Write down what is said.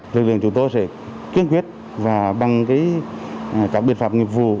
lực lượng chúng tôi sẽ kiên quyết và bằng các biện pháp nghiệp vụ